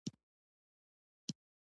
قلم د عادل انسان غږ دی